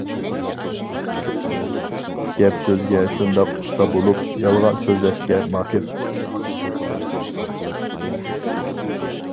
گەپ سۆزگە شۇنداق ئۇستا بولۇپ، يالغان سۆزلەشكە ماھىر.